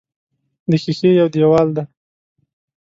د ښیښې یو دېوال دی.